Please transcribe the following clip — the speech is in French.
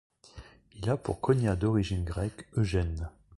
Il a pour cognat d'origine grecque Eugène.